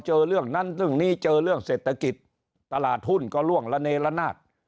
เจอเรื่องนั้นเรื่องนี้เจอเรื่องเศรษฐกิจตลาดหุ้นก็ล่วงละเนละนาด